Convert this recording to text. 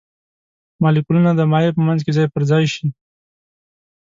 مالیکولونه د مایع په منځ کې ځای پر ځای شي.